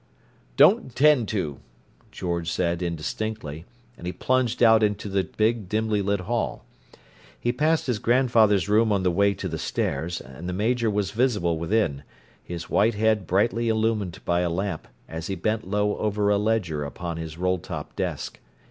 "Don't 'tend to," George said indistinctly; and he plunged out into the big dimly lit hall. He passed his grandfather's room on the way to the stairs; and the Major was visible within, his white head brightly illumined by a lamp, as he bent low over a ledger upon his roll top desk.